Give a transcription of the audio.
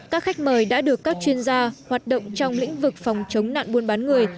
các khách mời đã được các chuyên gia hoạt động trong lĩnh vực phòng chống nạn buôn bán người